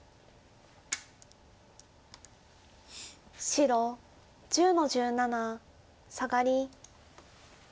白１０の十七サガリ。